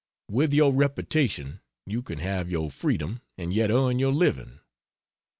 With your reputation you can have your freedom and yet earn your living. 2.